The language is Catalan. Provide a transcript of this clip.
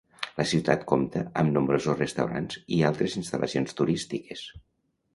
La ciutat compta amb nombrosos restaurants i altres instal·lacions turístiques.